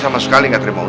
masa lo gak tau